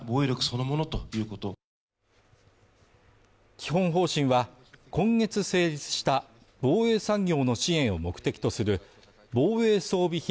基本方針は、今月成立した防衛産業の支援を目的とする防衛装備品